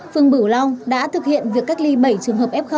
phương bửu long đã thực hiện việc cách ly bảy trường hợp f